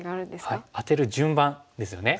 はいアテる順番ですよね。